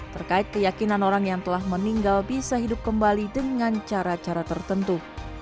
terkait keyakinan orang yang telah meninggal bisa hidup kembali dengan cara cara tertentu